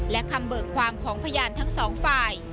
และคำเบิกความของพยานทั้งสองฝ่าย